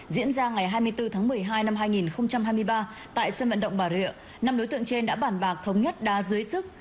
diễn ra ngày hai mươi bốn tháng một mươi hai năm hai nghìn hai mươi ba tại sân vận động bà rịa năm đối tượng trên đã bản bạc thống nhất đá dưới sức